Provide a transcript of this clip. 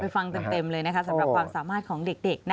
ฟังเต็มเลยนะคะสำหรับความสามารถของเด็ก